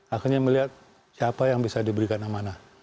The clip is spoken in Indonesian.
akhirnya melihat siapa yang bisa diberikan nama nama